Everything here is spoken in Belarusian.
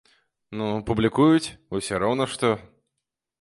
Ну, публікуюць, усё роўна што.